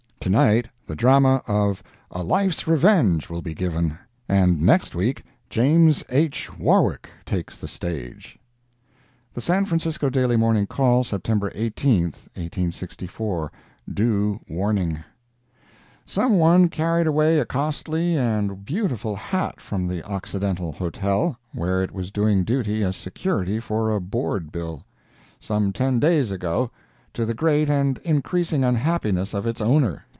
Tonight, the drama of "A Life's Revenge" will be given; and next week James H. Warwick takes the stage. The San Francisco Daily Morning Call, September 18, 1864 DUE WARNING Someone carried away a costly and beautiful hat from the Occidental Hotel, (where it was doing duty as security for a board bill,) some ten days ago, to the great and increasing unhappiness of its owner.